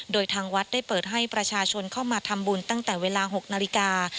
โดยทางวัดได้เปิดให้ประชาชนเข้ามาทำบุญตั้งแต่เวลา๖นาฬิกา